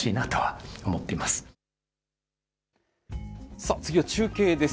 さあ、次は中継です。